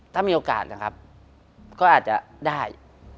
ถ้ามีโอกาสนะครับก็อาจจะได้